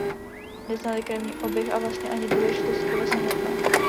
Neznali krevní oběh a vlastně ani důležitost krve samotné.